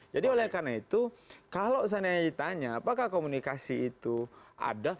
jadi oleh karena itu kalau saya tanya apakah komunikasi itu ada